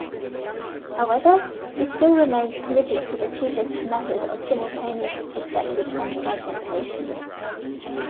However, he still remained committed to the cubist method of simultaneous perspective and fragmentation.